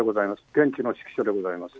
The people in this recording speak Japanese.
現地の指揮所でございます。